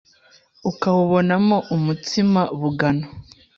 ukawubonamo umutsima bugano